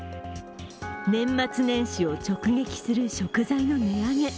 年末年始を直撃する食材の値上げ。